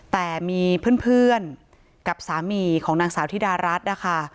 แต่มีเพื่อนกับสามีของนางสาวธิดารัฐนะคะ